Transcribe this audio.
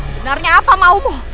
benarnya apa maumu